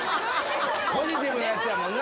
ポジティブなやつやもんな。